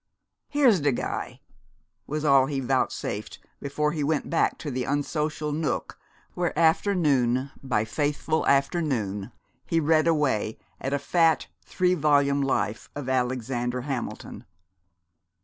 "Here's de guy," was all he vouchsafed before he went back to the unsocial nook where, afternoon by faithful afternoon, he read away at a fat three volume life of Alexander Hamilton.